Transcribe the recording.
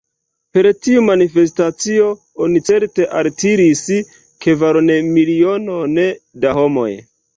Per tiu manifestacio oni certe altiris kvaronmilionon da homoj.